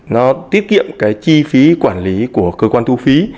nó tiết kiệm cái chi phí quản lý của cơ quan thu phí